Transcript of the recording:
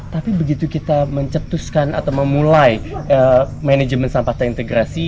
tapi begitu kita mencetuskan atau memulai manajemen sampah terintegrasi